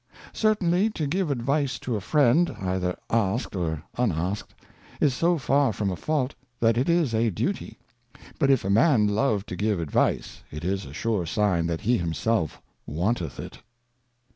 Certainly, to give Advice to a Friend, either asked or unasked, is so far from a Fault, that it is a Duty ; but if a Man love to give Advice, it is a sure sign that he himself wanteth it.